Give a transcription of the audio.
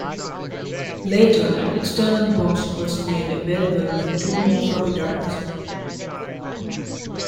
Later an external box was made available with two more floppy drives.